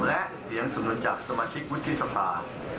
และเสียงสนุนจากสมาชิกวิทยาศาสตร